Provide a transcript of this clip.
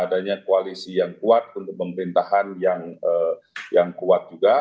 adanya koalisi yang kuat untuk pemerintahan yang kuat juga